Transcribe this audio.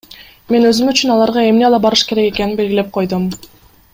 Мен өзүм үчүн аларга эмне ала барыш керек экенин белгилеп койдум.